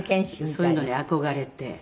そういうのに憧れて。